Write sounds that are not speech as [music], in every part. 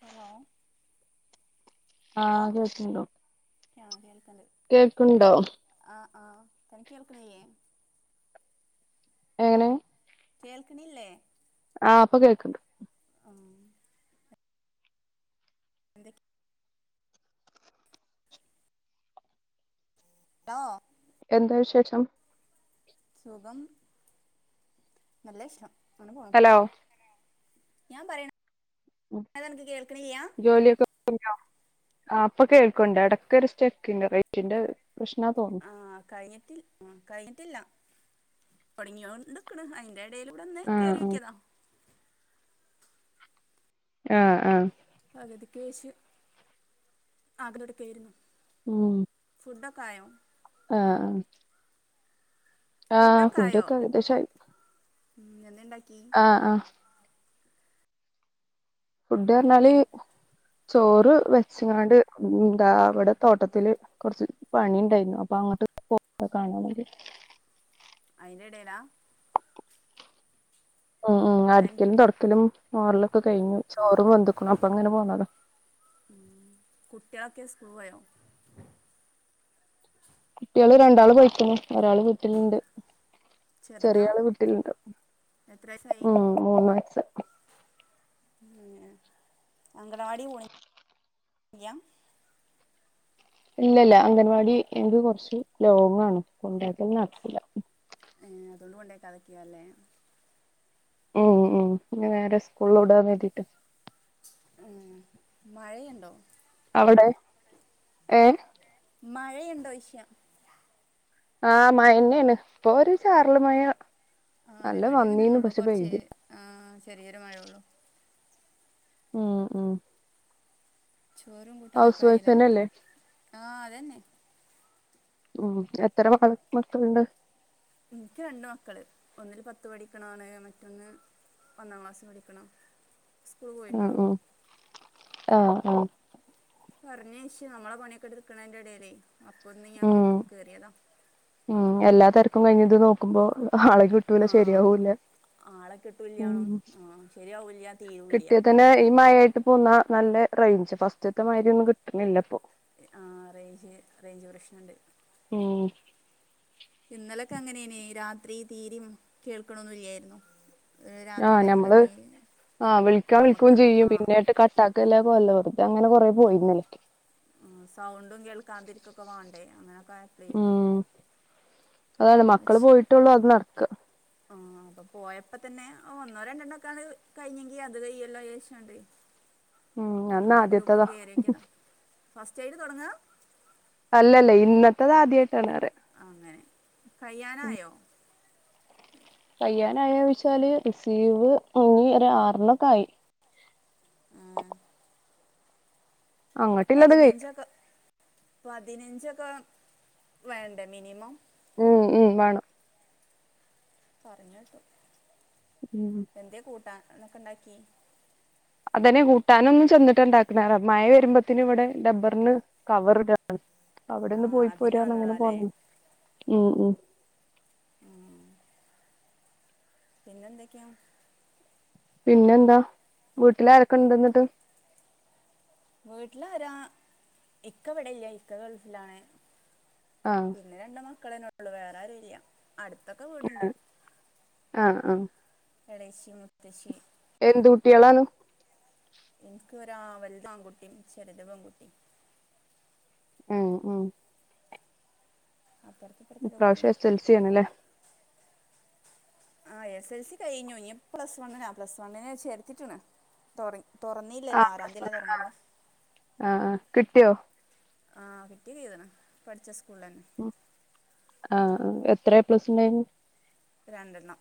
Hello ആഹ് കേൾക്ക്ണ്ടോ ആഹ് അങ്ങനെ തന്നെ കേൾക്കുണ്ടോ ആഹ് ആഹ് തനിക്ക് കേൾക്കണില്ലേ എങ്ങനെ കേൾക്കണില്ലേ ആഹ് ഇപ്പൊ കേൾക്കണ്ട് ആഹ് എന്തൊക്കെ ഹലോ എന്താ വിശേഷം സുഖം നല്ല ഇഷ്ടം അങ്ങനെ പോണു ഹലോ ഞാൻ പറയണം ജോലിയൊക്കെ [unintelligible] ആഹ് ഇപ്പൊ കേൾക്കണ്ട് എടക്കൊരു സ്റ്റക്ക്ണ്ട് റേറ്റിന്റെ പ്രശ്നാ തോ ആഹ് കഴിഞ്ഞിട്ടി ഉം കഴിഞ്ഞിട്ടില്ല തൊടങ്ങിയോണ്ട്ക്ക്ണ് അയ്ന്റെ ഇടയിലൂടെ ഒന്ന് കേറി ആഹ് നോക്കിയതാ ആഹ് ആഹ് പകതിക്ക് വച്ച് ആഗ്രടക്കായിരുന്നു ഉം ഫുഡൊക്കെ ആയോ ആഹ് ആഹ് ആഹ് ഫുഡൊക്കെ ആയോ ഏകദേശായി ഉം എന്തേ ഇണ്ടാക്കി ആഹ് ആഹ് ഫുഡ് പറഞ്ഞാല് എൻ ചോറ് വെച്ചങ്ങാണ്ട് എന്താ ഇവിടെ തോട്ടത്തില് കൊറച്ച് പണി ഉണ്ടായിന്നു അപ്പൊ അങ്ങട്ട് പോ കാണാൻ വേണ്ടി അയ്ന്റെ എടേല ഉം ഉം തൻ അടിക്കലും തുടക്കലും മോറലൊക്കെ കഴിഞ്ഞു ചോറും വെന്തുക്ക്‌ണു അപ്പങ്ങനെ പോന്നതാ ഉം കുട്ട്യാളൊക്കെ സ്കൂൾ പോയോ കുട്ട്യാള് രണ്ടാള് പൊയ്‌ക്ക്ണ് ‌ ഒരാള് വീട്ടില്ണ്ട് ചെറുതാ ചെറിയാള് വീട്ടിലുണ്ട് എത്ര വയസായി ഉം മൂന്ന്‌ വയസ്സ് ഉം അംഗനവാടി പോണില്ല ഇല്ലല്ല അംഗൻവാടി എനിക്ക് കൊറച്ച് ലോങ്ങാണ് കൊണ്ടാക്കല് നടക്കൂല ഏഹ് അതൊണ്ട് കൊണ്ടാക്കാതെ ക്കെയ്ക്കാരല്ലേ ഉം ഉം ഇനി നേരെ സ്കൂൾൽ വിടാന്ന് കരുതീട്ട് ഉം മഴയുണ്ടോ അവിടെ ഏ മഴയുണ്ടോഷ്യ? ആ മഴന്നെയാണ് ഇപ്പൊ ഒരു ചാറല് മയ. ആ ഇവിടെ അങ്ങനെയന്നള്ളൂ കുറച്ച് ആ ചെറിയൊരു മഴേള്ളു. മ് മ് ചോറും ഹൗസ് കൂട്ടാനൊക്കയായില്ലേ? വൈഫ്ന്നല്ലേ ആ അതന്നെ മ് എത്ര മക്ക മക്കളുണ്ട്? എനിക്ക് രണ്ട് മക്കള് ഒന്നില് പത്ത് പഠിക്കണാണ് മറ്റൊന്ന് ഒന്നാം ക്ലാസ് പഠിക്കണം. സ്കൂൾ മ് പോയിട്ടുള്ളൂ മ് ആ ആ പറഞ്ഞേശ്യോ നമ്മള പണിയൊക്കെ എടുക്കണന്റെ ഇടല്ലേ അപ്പൊന്ന് ഞാൻ ഗ്രൂപ്പിൽ കേറിയതാ. മ് എല്ലാ തെരക്കും കഴിഞ്ഞത് നോക്കുമ്പോ ആളെക്ക് കിട്ടൂല ശരിയാവൂല്ല ആളൊക്കെ ഇട്ടൂല്ലണോ ആ ശരിയാവില്ല തീരു കിട്ടിയതന്നെ ഈ മഴയായിട്ട് പോന്നാ നല്ല റൈഞ്ച് ഫസ്റ്റത്തെ മാതിരിയൊന്നും കിട്ടണില്ല ഇപ്പൊ ആ റേഞ്ച് റേഞ്ച് പ്രശ്നണ്ട്. മ് ഇന്നലൊക്കെ അങ്ങനെയെനെ രാത്രി തീര കേൾക്കണൊന്നില്ലായിരുന്നു. ആ നമ്മള് ആ വിളിക്കാൻ നമുക്ക് വിൽക്കയും ചെയ്യും ആ പിന്നെട്ട് കട്ടാക്കല പൊലോ ന്റെ അങ്ങനെ കൊറേ പോയിരുന്നക്കെ സൗണ്ടും കേൾക്കാൻതിരിക്കൊക്കെ വാണ്ടേ അങ്ങനൊക്കെ മ് അതാണ് മക്കള് അച്ച് പോയിട്ടുള്ളൂ അത് നടക്ക അപ്പൊ പോയപ്പോ തന്നെ ഒന്നോ രണ്ടെണ്ണം ഒക്കാണ് കഴിഞ്ഞെങ്കി അത് കയ്യല്ലോന്നെഷോണ്ട് ഉം അന്ന് ന്ന് ഗ്രൂപ്പില് ആദ്യത്തതാ കയറിയോക്കിയതാ ഫസ്റ്റായിട്ട് തുടങ്ങ? അല്ലല്ല ഇന്നത്തത് ആദ്യയിട്ടാണറയ അങ്ങനെ കയ്യാനായോ? കയ്യാനായോ വിച്ചാല് റിസീവ് ഇനി ഒരാറെണ്ണൊക്കെ ആയി. അങ്ങട്ടില്ലത് കൈ പതിനഞ്ചൊക്കെ പതിനഞ്ചൊക്കെ വേണ്ടേ മിനിമം? ഉം ഉം വാണോ പറഞ്ഞേട്ടു. മ് എന്തേ കൂട്ടാ എന്നൊക്കെ ഉണ്ടാക്കിയേ? അതെ കൂട്ടാനൊന്നും ചെന്നിട്ടുണ്ടാക്കുന്നതാ മഴ വരുമ്പോത്തന് ഇവിടെ ഡബ്ബറിന് കവറിട. ആ അവിടെന്ന് പോയി അതിന് പോരാന്ന് അങ്ങനെ വന്നതാല്ലേ പോന്ന മ് മ് ആ പിന്നെന്തൊക്കെയാ? പിന്നെന്താ വീട്ടിലാരൊക്കെ ഇണ്ടെന്നിട്ട്? വീട്ടിലാര ഇക്കവിടല്ല. ഇക്ക ഗൾഫിലാണ്. ആഹ് പിന്നെ രണ്ടു മക്കളെന്നെ ഉള്ളു വേറാരും ഇല്ലാ. അടുത്തൊക്കെ വീടുണ്ട്. ആഹ് ആഹ് എടശ്ശി മൂത്തശ്ശി എന്തൂട്ടിളാണ്? എനക്ക് ഒരാ വലുതാൺകുട്ടിയും ചെറുത് പെൺകുട്ടി. ഉം ഉം അപ്പറത്തിപ്പ ഇപ്രാവശ്യം എസൽസിയാണല്ലേ? ആ എസ് എൽ സി കഴിഞ്ഞു ഇനി പ്ലസ് വണ്ണിനാ പ്ലസ് വണ്ണിനെ ചേർത്തിട്ട്ണ് തൊടങ്ങി. തുറന്നീയില്ലോ ആ പ്ലസ് വൺ ആറാന്ത്യല്ലേ തുറങ്ങളൂ. ആ കിട്ടിയോ? ആഹ കിട്ടിചെയ്തിനു പഠിച്ച സ്കൂളിലന്നെ. ആ എത്രയ പ്ലസ് ഉണ്ടായിന്? രണ്ടെണ്ണം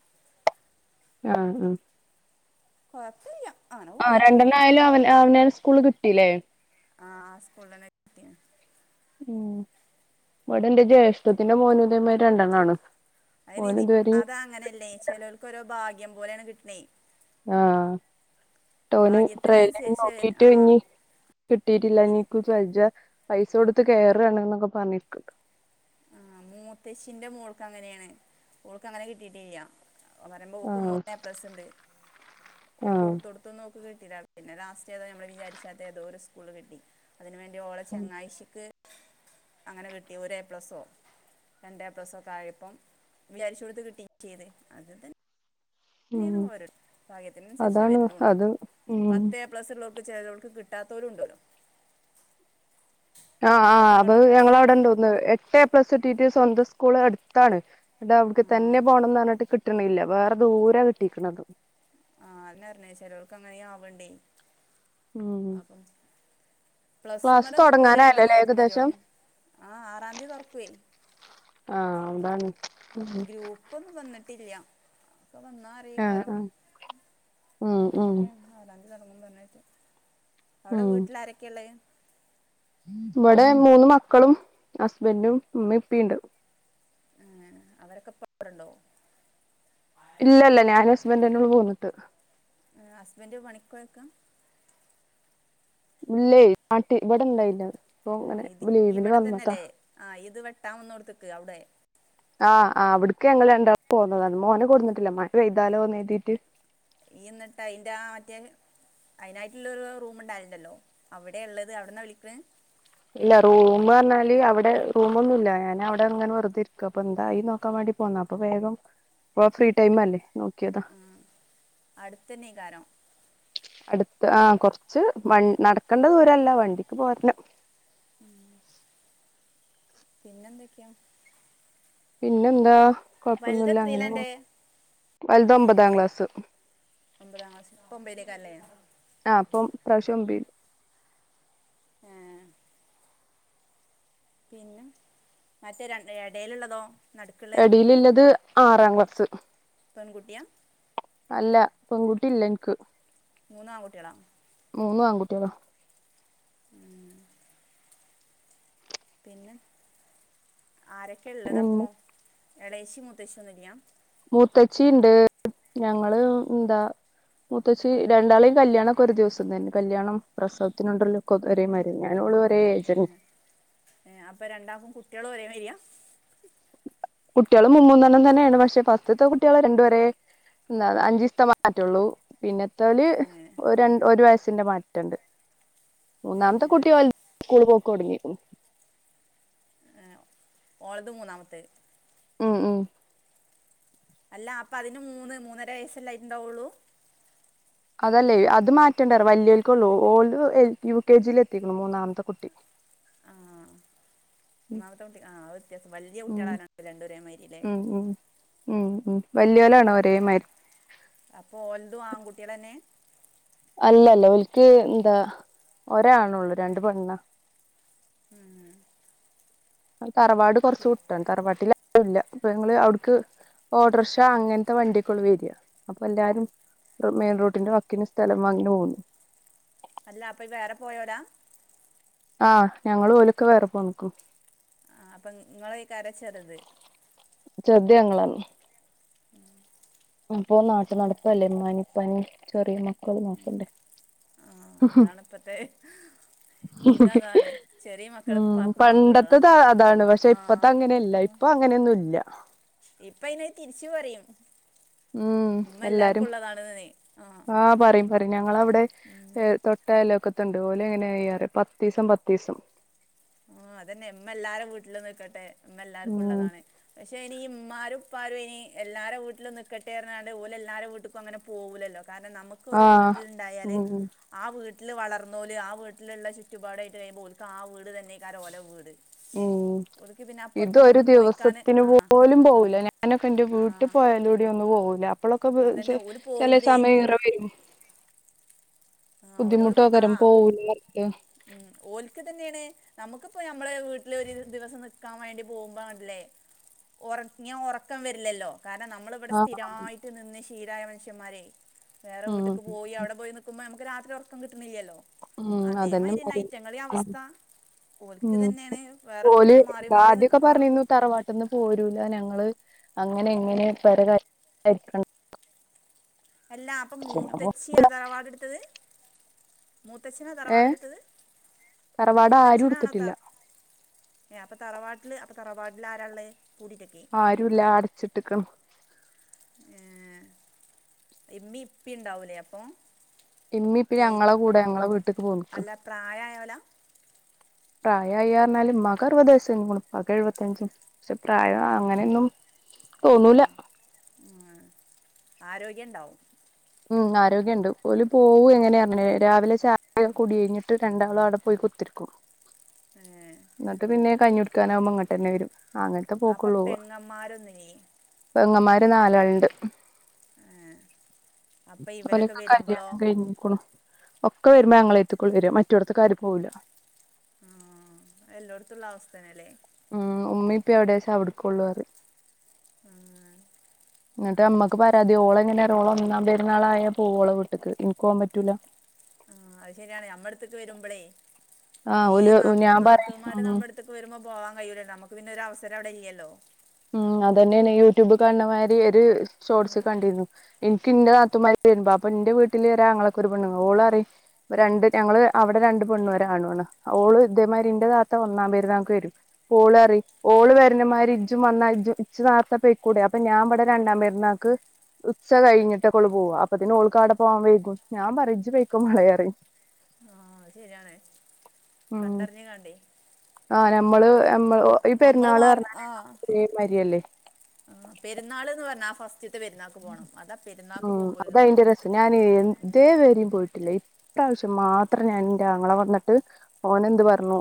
ആ ആ കെഴ്പ്പില്ല ആ രണ്ടെണ്ണം ആയാലും അവൻ അവന സ്കൂള് കിട്ടീല്ലേ? ആഹ ആ സ്കൂളന്നെ കിട്ടി ഉ ഇവിടെ ന്റെ ജ്യേഷ്ഠത്തിന്റെ മോനെ ഇതേമാതിരി രണ്ടെണ്ണാണ്. അതിന് ഓന് ഇത് ഇതുവരെ അത അങ്ങനെയല്ലേ ചിലവർക്ക്ഓരോ ഭാഗ്യം പോലെയാണ് കിട്ടണേ. ആഹ ടോന് ട്രെൽ ഭാഗ്യത്തിനനുസരിച്ച് നോക്കിട്ട് ആ ഇനി കിട്ടിട്ടില്ല വജ്ജ പൈസ കൊടുത്ത് കയറാണ് എന്നൊക്കെ പറഞ്ഞിരിക്ക്ണ്ട്. ആഹ മൂത്തച്ഛിന്റെ മോൾക്ക് അങ്ങനെയാണ് മോൾക്ക് അങ്ങനെ കിട്ടിട്ടില്ലാ. പറയുമ്പോ ആ ഓക്ക് മൂന്നേ പ്ലസ്സണ്ട് ഒാൾ ആ കൊടുത്ത കൊടുത്ത് ദ്തൊന്നു ഓക്ക് കിട്ടില്ല പിന്നെ ലാസ്റ്റ് ഏതോ നമ്മൾ വിചാരിചാത്ത ഏതോര് സ്കൂള് കിട്ടി. അതിന് വേണ്ടി ഓള ചെങ്ങാഴ്ച്ചിക്ക് അങ്ങനെ കിട്ടി ഒരു എ പ്ലസോ രണ്ടേ പ്ലസ് ഒക്കെ ആയപ്പം വിചാരിച്ചഓട്തു കിട്ടി ചെയ്ത് അത് തന്നെ പിന്ന ഉം ഓരോ ഭാഗ്യത്തിനനുസരിച്ച അതാണ് വരുന്നോണ് അത് ഉം പത്ത് പ്ലസ് ഉള്ളർക്ക് ചേലോൽക് കിട്ടാതോലുണ്ട്. ആ ആ് അങ്ങോട്ടും അത് ഇങ്ങോട്ടും ഞങ്ങളവ്ടെ ണ്ട് ഒന്ന്എട്ടേ പ്ലസ് കീട്ടീട്ട് സ്വന്തം സ്കൂള് എടുത്താണ്. ഇതാ അവിടക്ക് ആ തന്നെ പോകണംന്ന് പറഞ്ഞിട്ട് കിട്ടണില്ല വേറെ ദൂര കിട്ടിക്കണതു. ആഹ് അഹന്ന പറ്ഞ്ഞ ചേലോൽക് അങ്ങനെയ ആ വ്ണ്ടേ. മ്ഹ പ്ലസുമലോന്നു പോലെ എണ്ണം ഏകദേശം നോക്കണല്ലിന്ന്ണ് ആ ആറാംന്തി തുറക്കു. ആഹ് അതാണ് ഗ്രൂപ്പ് ഒന്നും വന്നിട്ടില്ല പ്പൊ വന്നാ അ ആഹ് കാരം ആഹ് ഉം ഉം എന്നിട്ടക്കെയ ആറാന്തി തുടങ്ങുപറിഞ്ഞേട്ട് അവിടെ ഉം വീട്ടില ആരൊക്കെയ ഉള്ളേ? ഇവടെ മൂന്ന് മക്കളും ഹസ്ബൻറും ഉമ്മി ഇപ്പിണ്ട് ഏ, അവരൊക്കെ ഇപ്പവ്ടണ്ടോ? ഇല്ലല്ല ഞാൻ ഹസ്ബൻഡറ്ന്നെള്ളു പോന്നിട്ട്. ഹസ്ബൻഡ് പണിക്കൊയെക്കാ. ഇല്ലേ നാട്ട ഇവിടെ ഇണ്ടായില്ലത് ഇപ്പ ഏ, അങ്ങനെ ഇത് ഇവിടെ ലീവിന്വന്നതാ. തന്നെയല്ലേ ആ ഇത് വെട്ടാവന്നോട്തക് അവിടെ. ആഹ് ആ് അവിടുക്ക് ഞങ്ങൾ രണ്ടാളും പോന്നതാ മോനെ കൊടുന്നിട്ടില്ല മഴ പെയ്താലോന്ന് കര് തീട്ട്. ഈ എന്നിട്ടായിന്റെ മറ്റേ അയിനായിട്ടുള്ളരു റൂം ഉണ്ടായിരണ്ടല്ലോ അവിടെ ഉള്ളത് അവിടെന്നാ വിളിക്കണ ഇല്ല റൂം പറഞ്ഞാല് അവിടെ റൂമൊന്നുല്ലാ ഞാൻ അവിടെ ഇങ്ങനെ വെറുതെരിക്ക അപ്പ എന്തായി നോക്കാൻ വേണ്ടി പോന്ന അപ്പൊ വേഗം ഫ്രീ ടൈമല്ലേ നോക്കിയതാ. ഉം അടുത്തനന്നേക്കാരം. അടുത്ത് ആഹ കൊറച്ച് വ നടക്കണ്ട ദൂരല്ല വണ്ടിക്ക് പോരന്നെ. [inaudible] പിന്നെന്തൊക്കെയാ. പിന്നെ എന്താ വലുത് കൊഴപ്പൊന്നുല്ല എത്രയില്ല അങ്ങനെ എൻ്റെ പോണ് വലുത് ഒമ്പതാം ക്ലാസ്. ഒമ്പതാം ക്ലാസ് ഒമ്പൊയിലേക്കാരല്ലേ? ആ് അപ്പം ഇപ്രാവശ്യം ഒമ്പായിൽ. ഹേ പിന്നെ മറ്റേ എടല്ള്ളതോ? എടിയിലുള്ളത് ആറാം ക്ലാസ്സ് പെൺകുട്ടിയ അല്ല പെൺകുട്ടി ഇല്ല ഇന്ക്ക് മൂന്നാംൺകുട്ടികളാ മൂന്നു ആങ്കുട്ട്യളാ. ഉം. പിന്നെ, ആരൊക്കെള്ളതപ്പോ, പിന്നെ എളേച്ചിം മൂത്തച്ചിം ഒന്നുല്ല്യ. മൂത്തച്ചീണ്ട്. ഞങ്ങള് ന്താ മൂത്തച്ചീ രണ്ടാളെയും കല്ല്യാണൊക്കൊരു ദിവസം തന്നെ. കല്യാണം പ്രസവത്തിനൊണ്ടര്ലു കൊ ഒരേമാരിന്നെ ഞാനു ഓളു ഒരേ ഏജന്നെ. അപ്പം രണ്ടാക്കും കുട്ട്യളും ഒരേ മാര്യാ. കുട്ട്യള് മുമ്മൂന്നെണ്ണം തന്നേണ്. പഷെ ഫസ്റ്റ്ത്തെ കുട്ട്യളെ രണ്ടു വരേ എന്താ അഞ്ചീസ്ത്തെ മാറ്റൊള്ളൂ. പിന്നത്തോല് ഒരൺ ഒരു വയസ്സിന്റെ മാറ്റണ്ട്. മൂന്നാമത്തെ കുട്ടിയോൽ സ്കൂള് പോക്കൊട്ങ്ങിക്ക്ണ്. ഓളത് മൂന്നാമത്തെ ഉം, ഉം അല്ല അപ്പൊ അതിന് മൂന്ന് മൂന്നര വയസ്സല്ലേ അയ്ട്ട്ണ്ടാവൊള്ളൂ. അതല്ലേയ് അത് മാറ്റേണ്ടറ വല്ല്യോൽകൊള്ളൂ ഓൽത് എൽ യു കെ ജി ലെത്തിക്ക്ണു മൂന്നാമത്തെ കുട്ടി. ആഹ് മൂന്നാമത്തെ കുട്ടി ആഹ് അയ് വ്യത്യാസം. വല്യ ഉം കുട്ട്യളായനോണ്ട രണ്ടു ഒരേമാരി ലേ. ഉം ഉം ഉം, ഉം വല്യോലാണൊരേ മാരി അപ്പൊ ഓൽതും ആൺകുട്ട്യളെന്നെ. അല്ലല്ല ഓൽക്ക് ന്താ ഒരാണൊള്ളൂ രണ്ട് പെണ്ണ ഉം. തറവാട് കൊറച്ച് വിട്ടാണ്. തറവാട്ടിലാരുല്ല അപ്പ ങ്ങള് ഔട്ക്ക് ഓട്ടർഷ അങ്ങൻത്തെ വണ്ട്യൊക്കൊള്ളു വെര അപ്പൊല്ലാരും മെയിൻ റോട്ടിന്റെ വക്കിന് സ്ഥലം വാങ്ങി ട് പോന്ന്. അല്ല അപ്പൊ ഈ വേറെ പോയോലാ. ആഹ്, ഞങ്ങളും ഓലൊക്കെ വേറെപ്പോന്ന്ക്ക് ആ അപ്പൊ ഇങ്ങളെയ്കാരം ചെറ്ത്. ചെറ്ത് ഞങ്ങളാണ്. അപ്പൊ നാട്ട് നടപ്പല്ലേ മ്മാനിം പ്പാനിം ചെറിയ മക്കള് നോക്കണ്ടേ? ആഹ് അതാണ്പ്പത്തെ ഉം, ഉപ്പാക്കും ഉമ്മാക്കും ഉള്ളതാ പണ്ടത്തെതാ അതാണ് പഷെ ആ ഇപ്പത്തെ അങ്ങനെല്ല. ഇപ്പ അങ്ങനെയൊന്നുല്ല്യ. ഇപ്പയ്ന് യ് തിരിച്ചു പറയും. ഉം മ്മ എല്ലാരും ല്ലാർക്കുള്ളതാണ്ന്ന്. ഞങ്ങളവ്ടെ ഏ തൊട്ട അയലൊക്കത്ത്ണ്ട് ഓല് എങ്ങനെയ്യാറ് പത്തീസം പത്തീസം ആഹ് അതന്നെ മ്മ എല്ലാരെ വീട്ട്ലും നിക്കട്ടെ മ്മ ഉം എല്ലാർക്കുള്ളതാണ്. പഷെ ഇനി മ്മാരും പ്പാരും ഇനി എല്ലാരെ വ്ട്ട്ലും നിക്കട്ടെർഞ്ഞികാണ്ട് ഓലെല്ലൊരെ വ്ട്ട്ക്കും അങ്ങനെ പോവൂലല്ലോ. കാര്ണം നമു ക്കൊരു ആഹ് വീട്ട്ൽണ്ടായാല് ഉം ആ വീട്ട്ല് വളർന്നോല് ആ വീട്ട്ല്ള്ള ചുറ്റുപാടായിട്ട് കഴിയുമ്പോ ഓൽക്ക് ആ വീട് തന്നെയ്ക്കാരം ഓലെ വീട്. ഒര് ഇതൊരു ദിവസത്തിന് പോലും പോവൂല. ഞാനൊക്കെന്റെ ആ വീട്ട് പോയാലൂടി ഒന്നു പോവൂല. അപ്പൊളൊക്കെ പെ അതന്നെ ചെ ഓല് ചെലെ പോവൂലേ സമയം ഇറ വെരും. ആ ഓലോട് പ- ആ ബുദ്ധിമുട്ടോകാരം. പോവൂല [unintelligible] ഉം, ഓൽക്ക്തെന്നേണ്. നമുക്ക്പ്പം ഞമ്മളെ വീട്ട്ല് ഒരു ദി ദിവസം നിക്കാൻ വേണ്ടി പോകുമ്പോ കണ്ടില്ലേ ഒറങ്ങ്യാ ഒറക്കം വെര്ലല്ലോ. കാര്ണം, നമ്മള് വടെ ആഹ് സ്ഥിരായിട്ട് നിന്ന് ശീലായ മൻഷ്യമ്മാരെയ് വേറെ ഉം വീട്ട്ക്ക് പോയി അവടെ പോയി നി ക്കുമ്പ ഞമ്മക്ക് രാത്രി ഒർക്കം കിട്ട്ണില്ല്യല്ലോ. ഉം, അതെന്നെ [unintelligible] ഓൽക്ക് ഉം, തന്നെയാണ് വേറെ ഓല് വീട്ടില് മാറി മാറി ആദ്യൊക്കെ നിക്കും ആ പർഞ്ഞിന്നു തറവാട്ട്ന്ന് പോരൂല, ഞങ്ങള് അങ്ങനെ ങ്ങനെ പെര [unintelligible] അല്ലാ അപ്പം അപ്പൊ മൂത്തെച്ചിയാ തറവാട് ഇട്ത്തെത്? മൂത്തച്ഛെനാ തറവാട് ഏഹ് ഇട്ത്തെത് തറവാട് ആരും മൂത്തച്ഛനാണോ എടുത്തിട്ടില്ല തർ ഏഹ് അപ്പ തറവാട്ട്ൽ അപ്പ തറവാട്ട്ൽ ആരാ ഇള്ളെയ് പൂട്ടിട്ടെക്കെ? ആരും ഇല്ല അട്ച്ച് ഇട്ട്ക്കാ ഏഹ് ഇമ്മിം ഇപ്പിം ഇണ്ടാവുലെ അപ്പൊ? ഇമ്മിം ഇപ്പിം ഞങ്ങളെ കൂടെ ഞങ്ങളെ വീട്ട്ക്ക് പോന്ന്ക്കാ അല്ല പ്രായമായോല പ്രായം ആയി പർണാൽ ഇമ്മാക്ക് അറ്പത് വയസ്സ് കഴിഞ്ഞുക്കുണു ഇപ്പാക്ക് എഴ്പത്ത അഞ്ചും പക്ഷെ പ്രായം അങ്ങനെ ഒന്നും തോന്നുലാ അങ്ങനെ ആരോഗ്യം ഇണ്ടാവും ഉം ആരോഗ്യം ഇണ്ട് ഓൽ പോവും എങ്ങനെ അങ്ങനെ രാവിലെ ചായ കുടി കഴിഞ്ഞ് ട്ട് രണ്ടാളും അയുടെ പോയി കുത്തെർക്കും ഏഹ് ഇന്നെട്ട് പിന്നെ കഞ്ഞി കുടിക്കാനാകുമ്പോ ഇങ്ങെട്ടെന്നെ വെരും അങ്ങനത്തെ അപ്പം പോക്കൊള്ളു പെങ്ങന്മാരൊന്നില്ലേ പെങ്ങന്മാര് നാലാൾ ഇണ്ട് ഏഹ് അപ്പം ഒലെ ഇവരൊക്കെ ഒക്കെ വരുമ്പോഴോ കല്യാണം കഴിഞ്ഞുക്കുണു ഒക്കെ വെരുമ്പോ ഞങ്ങളെ എട്ത്ത്ക്കൊള്ളു വെരാ മറ്റോട്ത്ത്ക്ക് ആരും പോവുലാ ആഹ് അഹ് എല്ലൊട്ത്തും ഉള്ള അവസ്ഥെന്നെ ലെ ഉം ഉമ്മിം ഉപ്പിം എവിടെച്ചാ അവ്ട്ക്കൊള്ളു പറിയാ ആഹ് എന്നെട്ട് അമ്മെക്ക് പരാതി ഓൾ എങ്ങനെ അറിയോ ഒന്നാം പെര്ന്നാൾ ആയ പോവും ഒളെ വീട്ട്ക്ക് ഇൻക്ക് പോവാൻ പറ്റൂലാ ആഹ് അഹ് ശരിയാണ് നമ്മളെ എട്ത്ത്ക്ക് വെരുംമ്പളെ ആഹ് ഈ ഓല് നാ ഞാൻ പറയും നാത്തൂന്മാര് ഉം നമ്മടെ എട് ത്ത്ക്ക് വെരുമ്പോ പോവാൻ കഴിയൂലല്ലോ നമ്മെക്ക് പിന്നെ ഒരു അവ്സെരം അയുടെ ഇല്ലെല്ലോ ഉം അതെന്നെയാണെ യൂട്യൂബ് ക കാൺണ്ണ മായിരി ഒര് ഷോർട്സ് ഉം. കണ്ടിരുന്നു ഇൻക്ക് ഇന്റെ നാത്തുന്മാര് വെരുമ്പം അപ്പ ഇന്റെ വീട്ടിൽ ഒര് ആങ്ങളെക്ക് ഒര് പെണ്ണ്ങ്ങെൾ ഓൾ പറിം ഇപ്പം രണ്ട് ഞങ്ങൾ അവ്ടെ രണ്ട് പെണ്ണും ഒര് ആണും ആണ് ഓൾ ഇതെ മായിരി ഇന്റെ താത്ത ഒന്നാം പെര്ന്നാക്ക് വെരും ഓൾ പറിം ഓൾ വെര്ണ മാരി ഇജ് ഇജും വന്നാ ഇജും ഇച്ച് നാർത്തെ പോയിക്കൂടെ അപ്പം ഞാം ഇബെടെ രണ്ടാം പെര്ന്നാക്ക് ഉച്ച കഴിഞ്ഞ്ട്ട് ഒക്കെ ഒള്ളു പോവാ അപ്പത്തിന് ഓൾക്ക് അയുടെ പോവാൻ വൈകും ഞാൻ പറിം ഇജ്‌ പെയ്ക്കോ മളെ പറിം ആഹ് അഹ് ശെരിയാണ്. ഉം കണ്ടറ്ഞ്ഞ് കാണ്ടെയ് ആഹ് നമ്മെൾ നമ്മെൾ ഓ ഈ പെരുന്നാൾ പർണാലെയ് ആഹ് ഇതെ മായിരി അല്ലെ? ആഹ് പെരുന്നാൾന്ന് പർണാ ആ ഫസ് ഉം അതാ പോകുമ്പോരിതുള്ളൂ അയിന്റെ രസം ഞാനെയ് ഇതെ വെരിം പോയിട്ട് ഇല്ലാ ഇപ്രാവ്ശ്യം മാത്രം ഞാൻ ഇന്റെ ആങ്ങള വന്ന്ട്ട് ഓൻ എന്ത് പർണു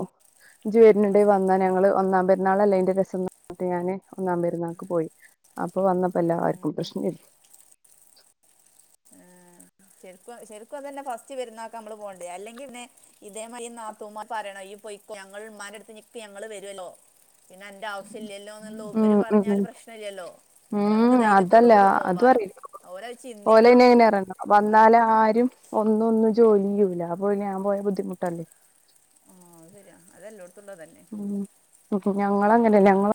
ഇജ് വെര്ണ് ഇണ്ടെ ഫസ്റ്റ് വന്നോ ഞങ്ങൾ ഒന്നാം പെര് ന്നാൾ അല്ലെ ആയിന്റെ രസംന്ന് പർൺട്ട് ഞാൻ ഒന്നാം പെര്ന്നാക്ക് പോയി അപ്പൊ വന്നപ്പം എല്ലാർക്കും പ്രശ്നം എയ്നി ശെരിക്കും ശെരിക്കും അത് അല്ല ഫസ്റ്റ് വെര്ന്നൊക്കെ അമ്മൾ പോണ്ടെ അല്ലെങ്കി പിന്നെ ഇതെ മായിരി നാത്തൂന്മാര് പറെണം ഇയ്യ് പോയിക്കോ ഞങ്ങൾ ഇമ്മാന്റെടെ എട്ത്ത് നിക്ക് ഞങ്ങെൾ വെരോല്ലോ പിന്നെ അന്റെ ആവശ്യം ഇല്ലല്ലോന്ന് ഇള്ളെയ് ഓ ഇവെര് ഉം പർഞ്ഞാൽ ഉം പ്രശ്നം ഇല്ലല്ലോ നമ്മുക്ക് ഉം ധൈര്യത്തോട് അതല്ല കൂടി അതും പോവാലോ ഓര് അഹ് ചിന്തിക്കെണംന്ന് ഒള്ളു അ വന്നാലും ആരും ഒന്നൊന്നും ജോലി ചെയ്യൂലാ അപ്പൊ പിന്നെ ഞാൻ പോയ ബുദ്ധിമുട്ട് അല്ലെ? ആഹ് അഹ് ശരിയാ അത് എല്ലോട്ത്തും ഇള്ളതെന്നെ ഉം ഞങ്ങൾ അങ്ങനെ അല്ല ഞങ്ങെൾ